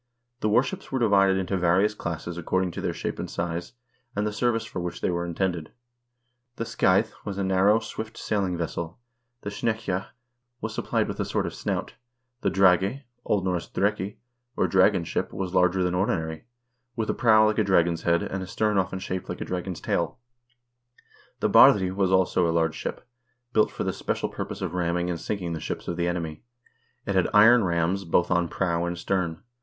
The warships were divided into various classes according to their shape and size, and the ser vice for which they were intended. The skeid 3 was a narrow, swift sailing vessel. The snekkja was supplied with a sort of snout. The drage (O. N. dreki) 4 or dragon ship was larger than ordinary, with a prow like a dragon's head, and a stern often shaped like a dragon's tail. The barfii was also a large ship, built for the special purpose of ramming and sinking the ships of the enemy. It had iron rams, both on prow and stern.